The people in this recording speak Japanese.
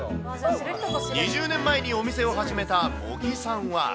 ２０年前にお店を始めた茂木さんは。